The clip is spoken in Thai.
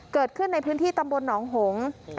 เกิดขึ้นในพื้นที่ตำบลหนองหงษ์